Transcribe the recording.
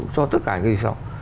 cho tất cả những gì xong